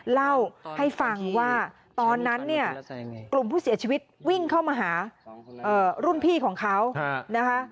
เล่าให้ฟังว่าตอนนั้นเนี่ยกลุ่มผู้เสียชีวิตวิ่งเข้ามาหารุ่นพี่ของเขานะคะ